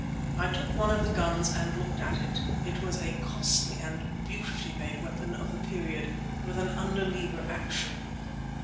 I took one of the guns and looked at it. It was a costly and beautifully made weapon of the period, with an under lever action.